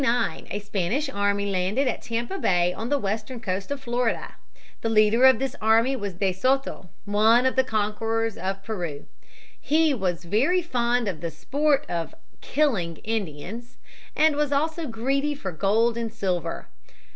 In 1539 a Spanish army landed at Tampa Bay, on the western coast of Florida. The leader of this army was De Soto, one of the conquerors of Peru. He "was very fond of the sport of killing Indians" and was also greedy for gold and silver.